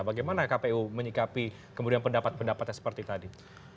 bagaimana kpu menyikapi kemudian pendapat pendapatnya seperti tadi